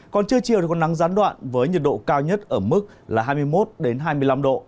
còn trưa chiều thì có nắng gián đoạn với nhiệt độ cao nhất ở mức là hai mươi một hai mươi năm độ